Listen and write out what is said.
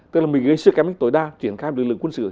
tức là mình gây sức em tối đa chuyển khai một lực lượng quân sự